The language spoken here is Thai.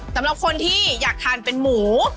สำหรับคนที่อยากทานเป็นหมู